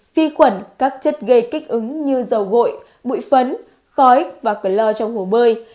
phi khuẩn các chất gây kích ứng như dầu gội bụi phấn khói và cờ lơ trong hồ bơi